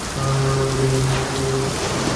বিনোদিনী শোবার ঘরে বসিয়া বিছানার চাদর সেলাই করিতেছিল।